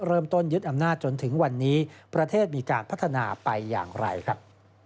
เริ่มต้นยึดอำนาจจนถึงวันนี้ประเทศมีการพัฒนาไปอย่างไรครับ